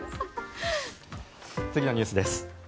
次のニュースです。